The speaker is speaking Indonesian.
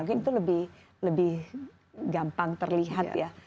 mungkin itu lebih gampang terlihat ya